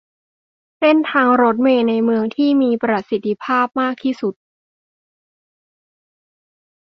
เส้นทางรถเมล์ในเมืองที่มีประสิทธิภาพมากที่สุด